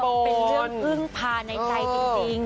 เป็นเรื่องมาต่อในใจจริง